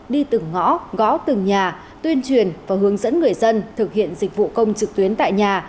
đi từng ngõ gõ từng nhà tuyên truyền và hướng dẫn người dân thực hiện dịch vụ công trực tuyến tại nhà